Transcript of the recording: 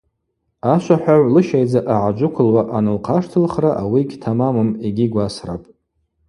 Ашвахӏвагӏв лыщайдза ъагӏаджвыквылуа анылхъаштылхра ауи гьтамамым йгьи гвасрапӏ.